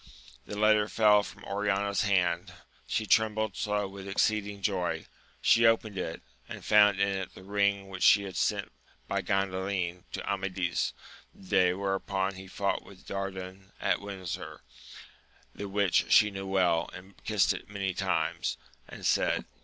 The letter fell from Oriana's hand, she trembled so with exceeding joy : she opened it, and found in it the ring which she had sent by Gandalin to Amadis, the day whereon he fought with Dardan at Windsor, the which she knew well and kissed it many times, and said.